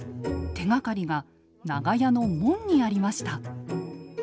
手がかりが長屋の門にありました。